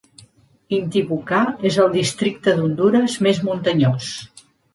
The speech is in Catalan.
Intibucá és el districte d'Hondures més muntanyós.